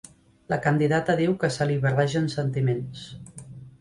La candidata diu que se li barregen sentiments.